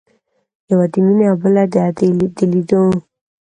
يوه د مينې او بله د ادې د ليدو.